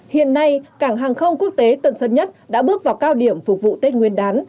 hiện nay cảng hàng không quốc tế tân sơn nhất đã bước vào cao điểm phục vụ tết nguyên đán